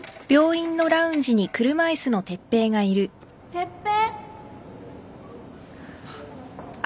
・哲平。